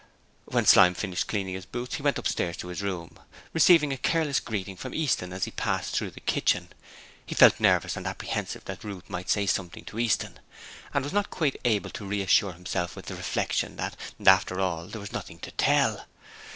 When Slyme finished cleaning his boots he went upstairs to his room, receiving a careless greeting from Easton as he passed through the kitchen. He felt nervous and apprehensive that Ruth might say something to Easton, and was not quite able to reassure himself with the reflection that, after all, there was nothing to tell.